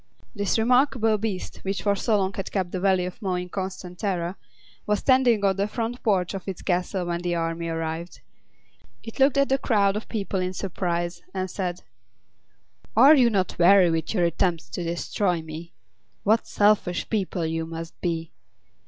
This remarkable beast, which for so long had kept the Valley of Mo in constant terror, was standing on the front porch of its castle when the army arrived. It looked at the crowd of people in surprise, and said: "Are you not weary with your attempts to destroy me? What selfish people you must be!